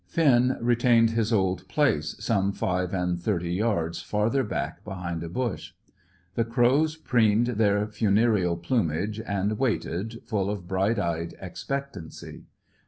Finn retained his old place, some five and thirty yards farther back, behind a bush. The crows preened their funereal plumage and waited, full of bright eyed expectancy.